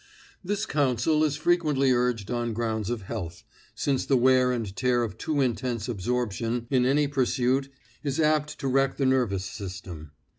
This counsel is frequently urged on grounds of health, since the wear and tear of too intense absorption in any pursuit is apt to wreck the nervous system.